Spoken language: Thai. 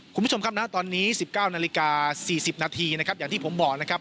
คุณผู้ชมครับตอนนี้๑๙นาฬิกา๔๐นาทีอย่างที่ผมบอก